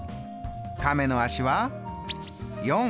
亀の足は４。